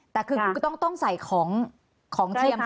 แต่คือคุณก็ต้องใส่ของเทียม